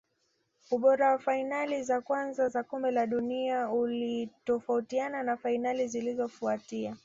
ubora wa fainali za kwanza za kombe la dunia ulitofautiana na fainali zilizofautia